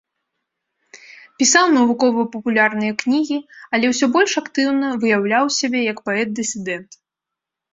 Пісаў навукова-папулярныя кнігі, але ўсё больш актыўна выяўляў сябе як паэт-дысідэнт.